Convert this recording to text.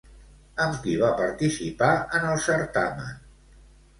Amb qui va participar en el certamen?